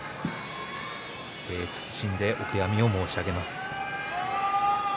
謹んでお悔やみを申し上げます。